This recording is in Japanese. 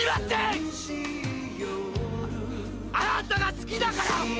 「あなたが好きだから！」